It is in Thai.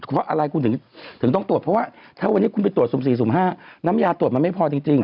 เพราะอะไรคุณถึงต้องตรวจเพราะว่าถ้าวันนี้คุณไปตรวจสุ่ม๔สุ่ม๕น้ำยาตรวจมันไม่พอจริง